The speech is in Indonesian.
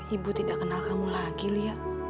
ibu tidak kenal kamu lagi lihat